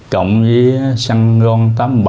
cộng với xăng ron tám mươi bảy